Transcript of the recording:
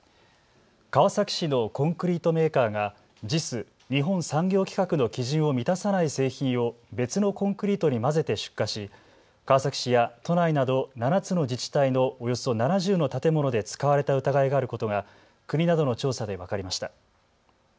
川崎市のコンクリートメーカーがＪＩＳ・日本産業規格の基準を満たさない製品を別のコンクリートに混ぜて出荷し川崎市や都内など７つの自治体のおよそ７０の建物で使われた疑いがあることが国などの調査で分かりました。